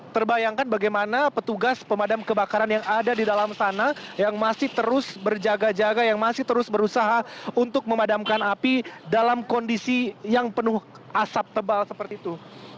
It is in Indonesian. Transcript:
terbayangkan bagaimana petugas pemadam kebakaran yang ada di dalam sana yang masih terus berjaga jaga yang masih terus berusaha untuk memadamkan api dalam kondisi yang penuh asap tebal seperti itu